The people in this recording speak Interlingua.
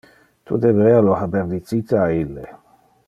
Tu deberea lo haber dicite a ille.